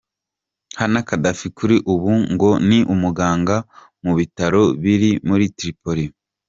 Hannah Gaddafi kuri ubu ngo ni umuganga mu Bitaro biri muri Tripoli.